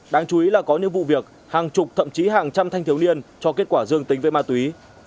đáng chú ý là có những vụ việc hàng chục thậm chí hàng trăm thanh thiếu niên cho kết quả dương tính với ma túy